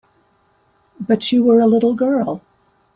But you were a little girl.